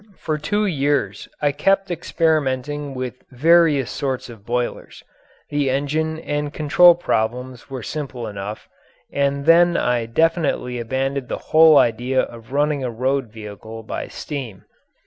For two years I kept experimenting with various sorts of boilers the engine and control problems were simple enough and then I definitely abandoned the whole idea of running a road vehicle by steam.